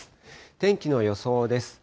天気の予想です。